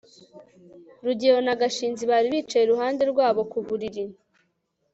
rugeyo na gashinzi bari bicaye iruhande rwabo ku buriri